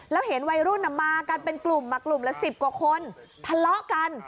แล้วเห็นวัยรุ่นมากันเป็นกลุ่มกลุ่มละ๑๐กว่าคนทะเลาะกัน